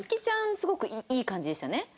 すごくいい感じでしたね。